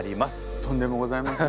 とんでもございません。